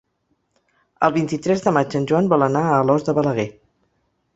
El vint-i-tres de maig en Joan vol anar a Alòs de Balaguer.